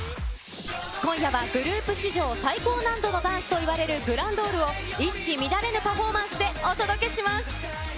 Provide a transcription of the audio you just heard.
今夜はグループ史上最高難度のダンスといわれるＧｒａｎｄｅｕｒを、一糸乱れぬパフォーマンスでお届けします。